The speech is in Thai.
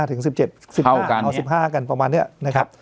เท่ากันนี้๑๕กันนะครับ